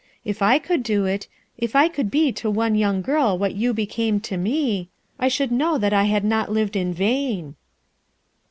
If I could do it, if I could be to one young girl what you became to me, I should know that I had not lived in vain.'